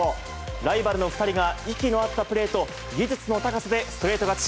ライバルの２人が、息の合ったプレーと、技術の高さでストレート勝ち。